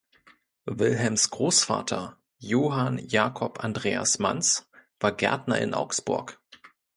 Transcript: Wilhelms Großvater Johann Jakob Andreas Manz war Gärtner in Augsburg.